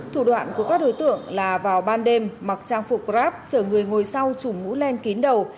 thủ đoạn của các đối tượng là vào ban đêm mặc trang phục grab chở người ngồi sau chùm mũ len kín đầu